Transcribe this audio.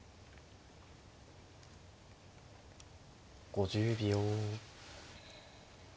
５０秒。